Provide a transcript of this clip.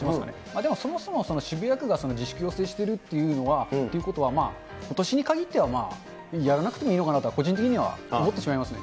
でもそもそも渋谷区が自粛要請しているということはことしに限ってはやらなくてもいいのかなとは個人的には思ってしまいますね。